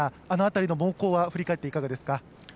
あの辺りの猛攻は振り返っていかがですか。